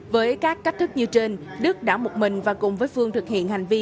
với các cách thức như trên đức đã một mình và cùng với phương thực hiện hành vi